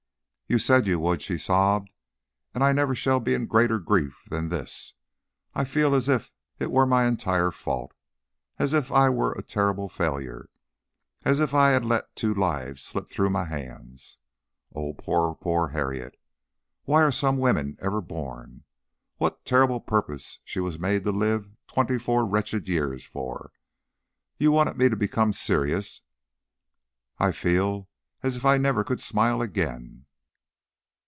"You said you would," she sobbed. "And I never shall be in greater grief than this. I feel as if it were my entire fault, as if I were a terrible failure, as if I had let two lives slip through my hands. Oh, poor poor Harriet! Why are some women ever born? What terrible purpose was she made to live twenty four wretched years for? You wanted me to become serious. I feel as if I never could smile again."